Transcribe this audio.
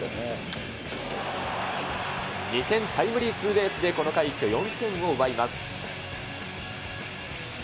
２点タイムリーツーベースで、この回、一挙４点を奪います。